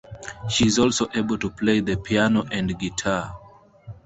She is also able to play the piano and guitar.